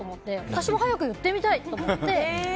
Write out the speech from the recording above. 私も早く言ってみたいと思って。